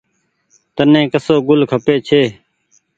تني ڪسو گل کپي ڇي۔